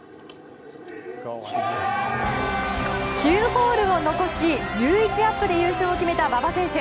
９ホールを残し１１アップで優勝を決めた馬場選手。